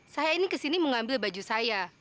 saya ini kesini mengambil baju saya